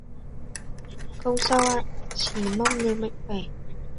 Không sao ạ chỉ mong người mạnh khoẻ